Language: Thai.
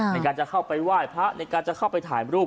ในการจะเข้าไปไหว้พระในการจะเข้าไปถ่ายรูป